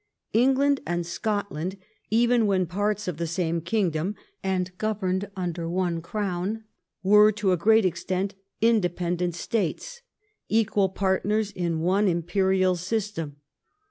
England and Scotland, even when parts of the same kingdom, and governed under one crown, were to a great extent independent States, equal partners in one imperial system.